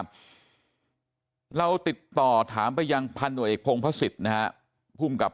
เราติดต่อถามไปยังพันหน่วยเอกพงพระศิษย์นะฮะภูมิกับ